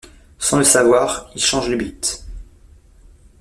Sans le savoir, il change le beat.